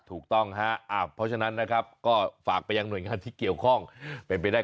ถูกต้องฮะเพราะฉะนั้นนะครับก็ฝากไปยังหน่วยงานที่เกี่ยวข้องเป็นไปได้